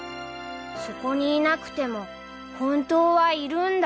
そこにいなくても本当はいるんだ